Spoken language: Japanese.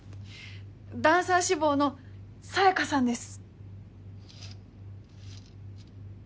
ダンサー志望のさやかさんです。